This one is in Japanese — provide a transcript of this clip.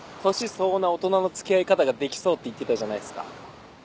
相応な大人の付き合い方ができそうって言ってたじゃないすか。